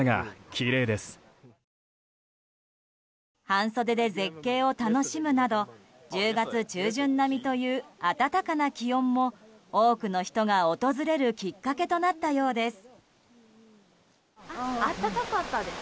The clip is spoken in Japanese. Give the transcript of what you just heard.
半袖で絶景を楽しむなど１０月中旬並みという暖かな気温も多くの人が訪れるきっかけとなったようです。